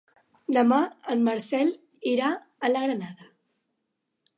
Demà en Marcel irà a la Granada.